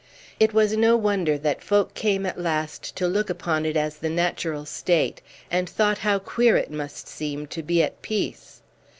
It was no wonder that folk came at last to look upon it as the natural state, and thought how queer it must seem to be at peace.